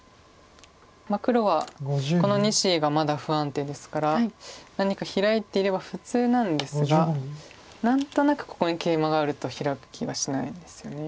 黒はこの２子がまだ不安定ですから何かヒラいていれば普通なんですが何となくここにケイマがあるとヒラキはしないんですよね。